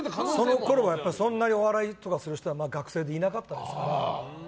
そのころはそんなにお笑いとかする人は学生でいなかったですから。